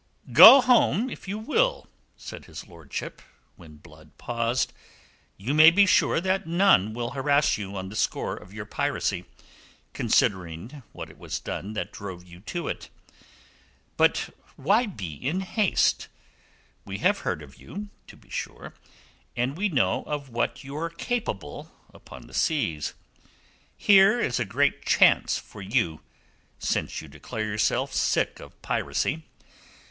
"Go home, if you will," said his lordship, when Blood paused. "You may be sure that none will harass you on the score of your piracy, considering what it was that drove you to it. But why be in haste? We have heard of you, to be sure, and we know of what you are capable upon the seas. Here is a great chance for you, since you declare yourself sick of piracy.